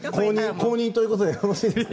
公認という事でよろしいですか？